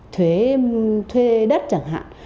thuế đất chẳng hạn